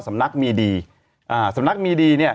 สำนักมีดีอ่าสำนักมีดีเนี่ย